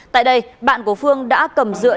tại đây bạn của phương đã cầm dựa